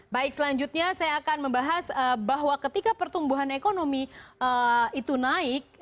baik selanjutnya saya akan membahas bahwa ketika pertumbuhan ekonomi itu naik